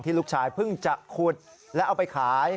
ลูกชายเพิ่งจะขุดและเอาไปขาย